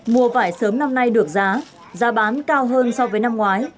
mua vải sớm năm nay được giá giá bán cao hơn so với năm ngoái